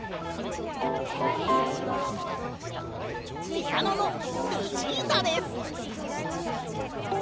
ピアノのルチータです！